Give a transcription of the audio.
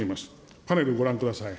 パネルをご覧ください。